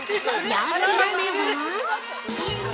◆４品目は。